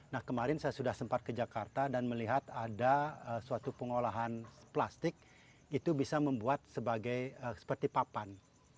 nah kemarin saya sudah sempat ke jakarta dan melihat ada suatu pengolahan plastik itu bisa membuat sebagai seperti papan